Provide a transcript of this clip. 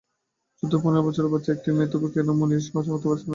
চোদ্দ-পনের বছরের বাচ্চা একটি মেয়ে, তবু কেন মুনির সহজ হতে পারছে না।